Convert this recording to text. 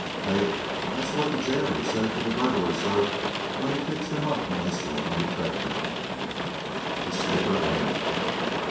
"Faith, that's what the gaolor s'id to the burghlor, sor, when he fixed him up noicely on the treadmill!" The skipper laughed.